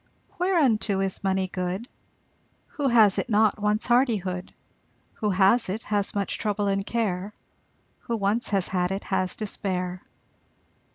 Whereunto is money good? Who has it not wants hardihood, Who has it has much trouble and care, Who once has had it has despair.